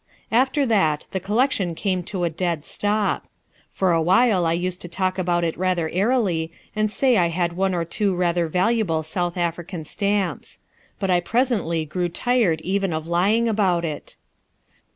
After that the collection came to a dead stop. For a while I used to talk about it rather airily and say I had one or two rather valuable South African stamps. But I presently grew tired even of lying about it.